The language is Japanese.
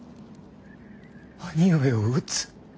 兄上を討つ。